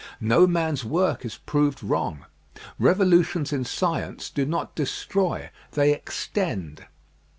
No man's work is proved wrong. Revolutions in science do not destroy; they extend.